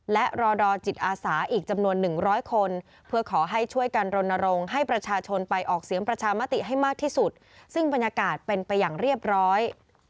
และรอดอจิตอาสาอีกจำนวนหนึ่งร้อยคนเพื่อขอให้ช่วยกันรณรงค์ให้ประชาชนไปออกเสียงประชามติให้มากที่สุดซึ่งบรรยากาศเป็นไปอย่างเรียบร้อย